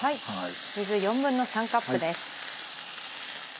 水３／４カップです。